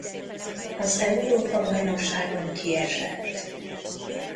Az Európa-bajnokságon kiesett.